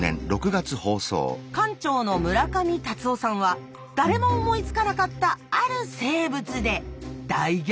館長の村上龍男さんは誰も思いつかなかったある生物で大逆転を試みました。